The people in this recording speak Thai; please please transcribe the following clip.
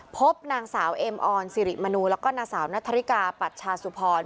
พบนางสาวเอ็มออนสิริมนูแล้วก็นางสาวนัทริกาปัชชาสุพร